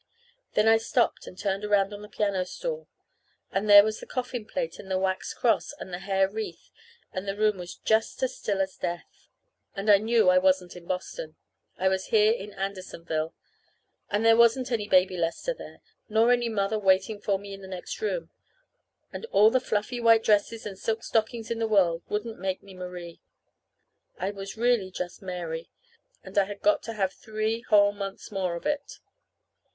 Then I stopped and turned around on the piano stool. And there was the coffin plate, and the wax cross, and the hair wreath; and the room was just as still as death. And I knew I wasn't in Boston. I was there in Andersonville, And there wasn't any Baby Lester there, nor any mother waiting for me in the next room. And all the fluffy white dresses and silk stockings in the world wouldn't make me Marie. I was really just Mary, and I had got to have three whole months more of it.